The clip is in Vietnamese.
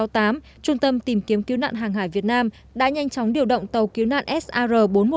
trung tâm tìm kiếm cứu nạn hàng hải việt nam đã nhanh chóng điều động tàu cứu nạn sr bốn trăm một mươi một